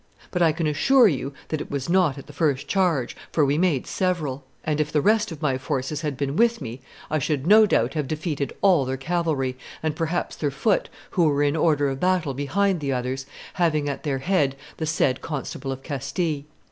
But I can assure you that it was not at the first charge, for we made several; and if the rest of my forces had been with me, I should no doubt have defeated all their cavalry, and perhaps their foot who were in order of battle behind the others, having at their head the said Constable of Castile.